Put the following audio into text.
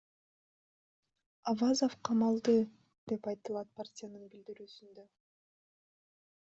Авазов камалды, — деп айтылат партиянын билдирүүсүндө.